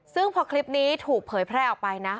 ซึ่งพอคลิปนี้ถูกเผยแพร่ออกไปนะ